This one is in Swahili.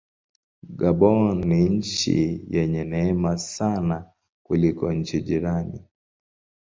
Gabon ni nchi yenye neema sana kuliko nchi jirani.